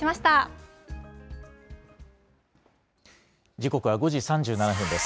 時刻は５時３７分です。